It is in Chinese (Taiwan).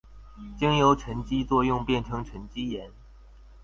經由沈積作用變成沈積岩